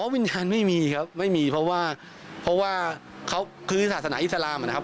อ๋อวิญญาณไม่มีครับไม่มีเพราะว่าคือศาสนาอิสลามนะครับ